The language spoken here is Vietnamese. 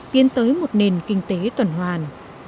tiến tới một nền kinh tế tuần hoàn